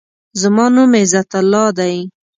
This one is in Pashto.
زما نوم عزت الله دی.